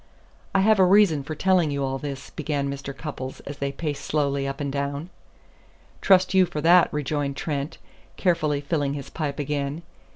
"I have a reason for telling you all this," began Mr. Cupples as they paced slowly up and down. "Trust you for that," rejoined Trent, carefully filling his pipe again.